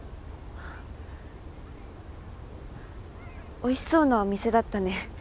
おいしそうなお店だったね。